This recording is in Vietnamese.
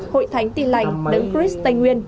hội thánh tin lành đứng cris tây nguyên